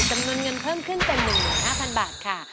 จำนวนเงินเพิ่มขึ้นเป็น๑๕๐๐๐บาทค่ะ